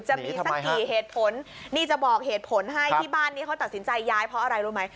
จะมีสักกี่เหตุผลนี่จะบอกเหตุผลให้ที่บ้านนี้เขาตัดสินใจย้ายเพราะอะไรรู้ไหม